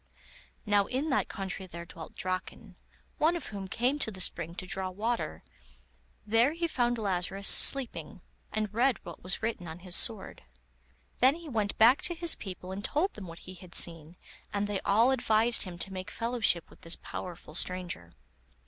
Now in that country there dwelt Draken, one of whom came to the spring to draw water; there he found Lazarus sleeping, and read what was written on his sword. Then he went back to his people and told them what he had seen, and they all advised him to make fellowship with this powerful stranger.